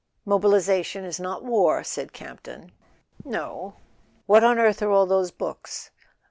"Mobilisation is not war ," said Campton. "No " "What on earth are all those books?"